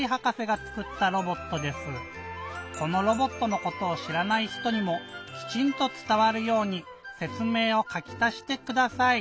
このロボットのことをしらない人にもきちんとつたわるようにせつめいをかき足してください。